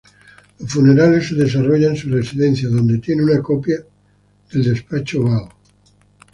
Los funerales se desarrollan en su residencia, donde tiene una copia del Despacho Oval.